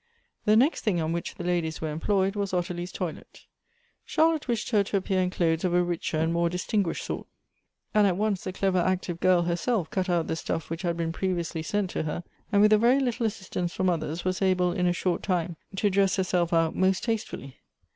The next thing on which the ladies were employed was Ottilie's toilet. Charlotte wished her to appear in clothes of a richer and more recherche, sort, and at once the clever active girl herself cut out the stuff which had been pre viously sent to her, and with a very little assistance from others was able, in a short time, to dress herself out most tastefully.